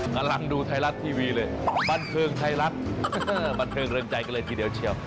กำลังดูไทยรัฐทีวีเลยบันเทิงไทยรัฐบันเทิงเริ่มใจกันเลยทีเดียวเชียว